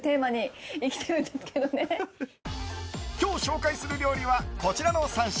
今日紹介する料理はこちらの３品。